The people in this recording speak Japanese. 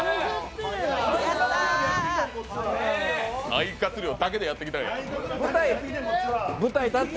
肺活量だけでやってきたんや。